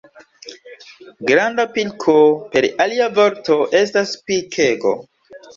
Granda pilko, per alia vorto, estas pilkego.